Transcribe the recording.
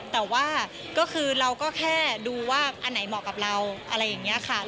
แต่ว่าก็คือเราก็แค่ดูว่าอันไหนเหมาะกับเราอะไรอย่างนี้ค่ะ